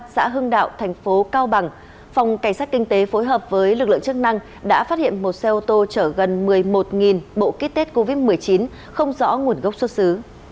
xã hưng đạo thành phố cao bằng phòng cảnh sát kinh tế phối hợp với lực lượng chức năng đã phát hiện một xe ô tô chở gần một mươi một bộ kit tết covid một mươi chín không rõ nguồn gốc xuất xứ